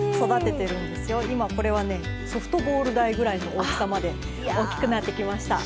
今これはねソフトボール大ぐらいの大きさまで大きくなってきました。